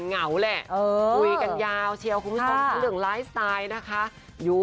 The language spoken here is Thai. เหงาแหละเออคุยกันยาวเชียวคุณผู้ชมทั้งเรื่องนะคะอยู่